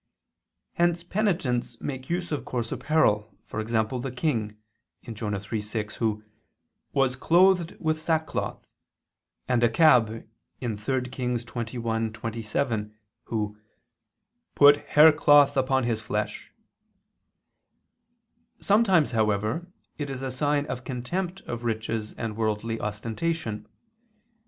Hence penitents make use of coarse apparel, for example, the king (Jonah 3:6) who "was clothed with sack cloth," and Achab (3 Kings 21:27) who "put hair cloth upon his flesh." Sometimes, however, it is a sign of the contempt of riches and worldly ostentation.